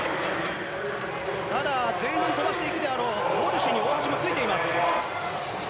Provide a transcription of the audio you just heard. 前半飛ばしていくであろうウォルシュに大橋もついています。